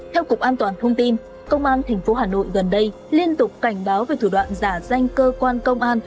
theo cục an toàn thông tin công an tp hà nội gần đây liên tục cảnh báo về thủ đoạn giả danh cơ quan công an